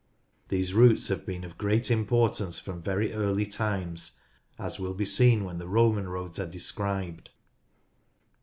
These routes have been of great importance from very early times, as will be seen when the Roman roads are described.